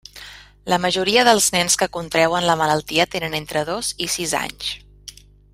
La majoria dels nens que contreuen la malaltia tenen entre dos i sis anys.